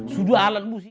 sudah alat musik